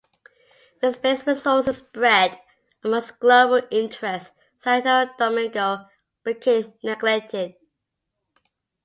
With Spain's resources spread among its global interest, Santo Domingo became neglected.